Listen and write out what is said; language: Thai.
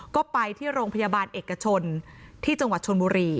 ก็ไปที่โรงพยาบาลเอกชนที่จังหวัดชนบุรี